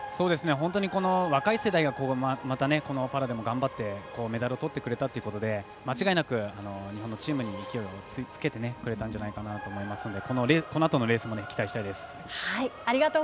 本当に、若い世代がまたこのパラでも頑張ってメダルをとってくれたということで間違いなく日本のチームに勢いをつけてくれたんじゃないかと思いますのでこのあとのレースも期待したいです。